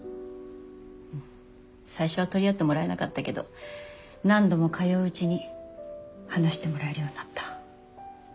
最初は取り合ってもらえなかったけど何度も通ううちに話してもらえるようになった。